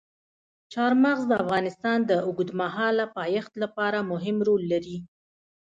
چار مغز د افغانستان د اوږدمهاله پایښت لپاره مهم رول لري.